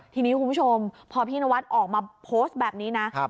ทีนี้คุณผู้ชมพอพี่นวัดออกมาโพสต์แบบนี้นะ